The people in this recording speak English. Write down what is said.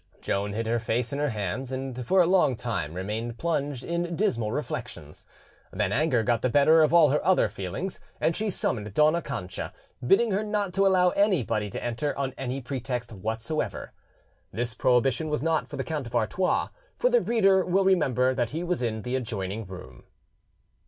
Joan hid her face in her hands, and for a long time remained plunged in dismal reflections; then anger got the better of all her other feelings, and she summoned Dona Cancha, bidding her not to allow anybody to enter, on any pretext whatsoever. This prohibition was not for the Count of Artois, for the reader will remember that he was in the adjoining room.